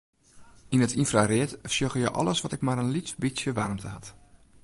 Yn it ynfraread sjogge je alles wat ek mar in lyts bytsje waarmte hat.